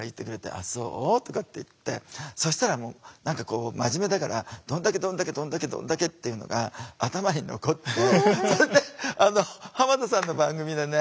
「あっそう？」とかって言ってそしたらもう何かこう真面目だから「どんだけどんだけどんだけどんだけ」っていうのが頭に残ってそれで浜田さんの番組でね